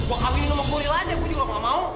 wah aku ini nomor goril aja aku juga nggak mau